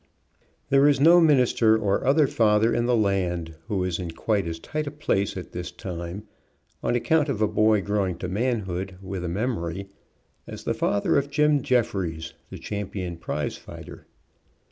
There is no minister or other father in the land who is in quite as tight a place at this time, on account of a boy growing to manhood with a memory, as the father of Jim Jeffries, the champion prize fighter.